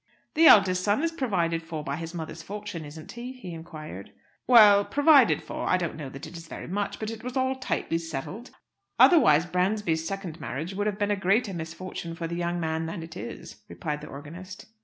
"The eldest son is provided for by his mother's fortune, isn't he?" he inquired. "Well 'provided for;' I don't know that it is very much. But it was all tightly settled. Otherwise Bransby's second marriage would have been a greater misfortune for the young man than it is," replied the organist.